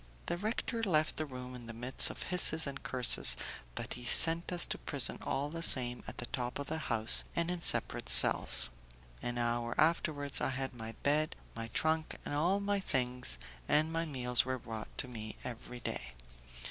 The rector left the room in the midst of hisses and curses, but he sent us to prison all the same at the top of the house and in separate cells. An hour afterwards, I had my bed, my trunk and all my things, and my meals were brought to me every day.